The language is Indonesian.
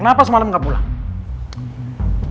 kenapa semalam gak pulang